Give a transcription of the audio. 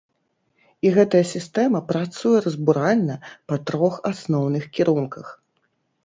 І гэтая сістэма працуе разбуральна па трох асноўных кірунках.